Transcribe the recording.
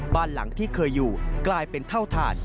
บ้านหลังที่เคยอยู่กลายเป็นเท่าฐาน